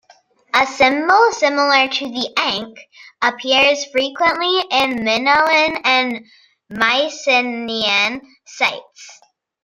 A symbol similar to the ankh appears frequently in Minoan and Mycenaean sites.